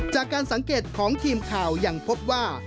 จากการสังเกตของทีมข่าวยังพบว่า